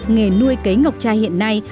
nghề nuôi cấy ngọc chai hiện nay